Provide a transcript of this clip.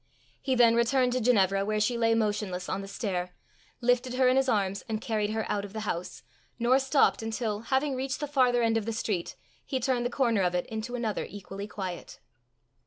He then returned to Ginevra where she lay motionless on the stair, lifted her in his arms, and carried her out of the house, nor stopped until, having reached the farther end of the street, he turned the corner of it into another equally quiet.